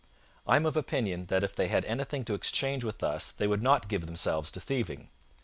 I am of opinion that if they had any thing to exchange with us they would not give themselves to thieving.